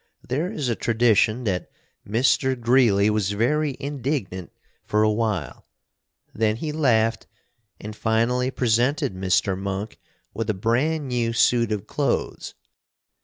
There is a tradition that Mr. Greeley was very indignant for a while: then he laughed and finally presented Mr. Monk with a brand new suit of clothes.